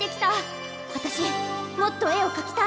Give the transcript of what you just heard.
あたしもっと絵を描きたい！